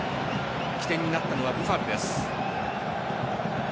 起点になったのはブファルです。